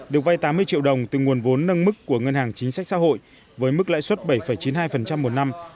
được vay tám mươi triệu đồng từ nguồn vốn nâng mức của ngân hàng chính sách xã hội với mức lãi suất bảy chín mươi hai một năm